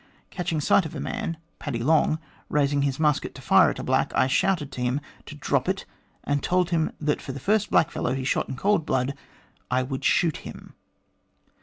Catching sight of a man, Paddy Long, raising his musket to fire at a black, I shouted to him to drop it, and told him that for the first blackfellow he shot in cold blood, I would shoot him.